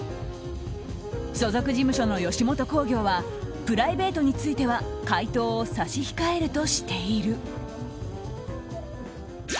所属事務所の吉本興業はプライベートについては回答を差し控えるとしている。